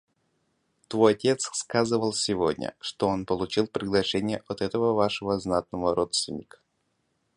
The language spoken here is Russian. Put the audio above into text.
Твой отец сказывал сегодня, что он получил приглашение от этого вашего знатного родственника.